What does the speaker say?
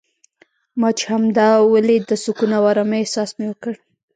ما چې همدا ولید د سکون او ارامۍ احساس مې وکړ.